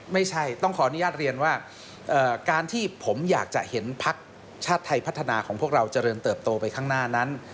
ไม่ใช่ต้องขออนุญาตเรียนว่าการที่ผมอยากจะเห็นพักชาติไทยพัฒนาของพวกเราเจริญเติบโตไปข้างหน้านั้น